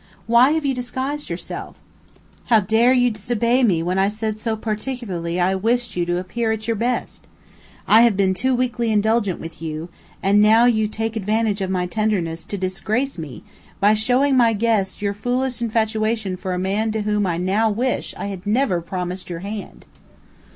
Why have you disguised yourself? How dare you disobey me when I said so particularly I wished you to appear at your best? I have been too weakly indulgent with you, and now you take advantage of my tenderness to disgrace me by showing my guests your foolish infatuation for a man to whom I now wish I had never promised your hand."